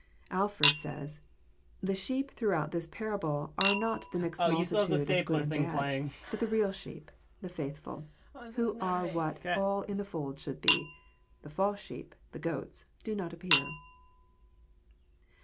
Alford says :" The sheep throughout this parable are not the mixed multitude of good and bad ; but the real sheep, the faith ful, who are what all in the fold should be. The false sheep, the goats, do not appear.